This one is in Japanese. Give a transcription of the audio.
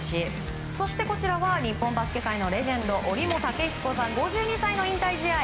こちらは日本バスケ界のレジェンド折茂武彦さんの５２歳の引退試合。